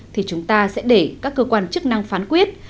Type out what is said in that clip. thì chúng ta sẽ để các cơ quan chức năng phán quyết